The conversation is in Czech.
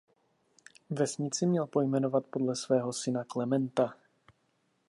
Vesnici měl pojmenovat podle svého syna Klementa.